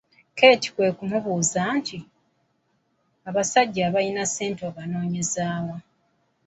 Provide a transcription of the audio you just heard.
Keeti kwe kumubuuza nti, “Abasajja abalina ssente obanoonyeza wa?